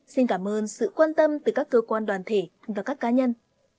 xin cảm ơn sự quan tâm từ các cơ quan đoàn thể và các cá nhân